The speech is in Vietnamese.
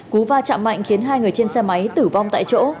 cú va chạm mạnh khiến hai người trên xe máy tử vong tại chỗ